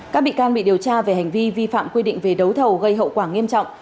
các bị can bị điều tra về hành vi vi phạm quy định về đấu thầu gây hậu quả nghiêm trọng